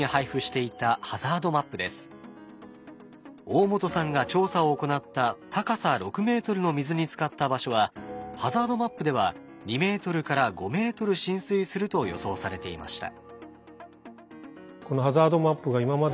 大本さんが調査を行った高さ６ｍの水につかった場所はハザードマップでは２ｍ５ｍ浸水すると予想されていました。